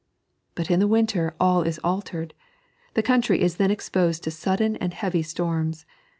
But in the winter all is altered. The country is then exposed to sudden and heavy storms.